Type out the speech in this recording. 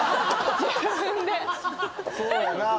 そうやな。